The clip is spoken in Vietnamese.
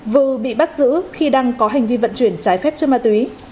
vừa bị bắt giữ khi đang có hành vi vận chuyển trái phép chất ma túy